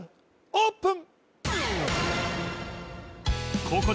オープン